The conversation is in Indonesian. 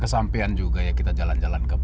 sampai jumpa di video selanjutnya